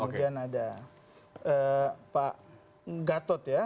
kemudian ada pak gatot ya